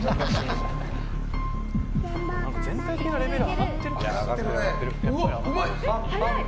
全体的なレベルが上がってるな。